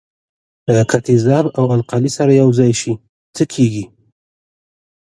که تیزاب او القلي سره یوځای شي څه کیږي.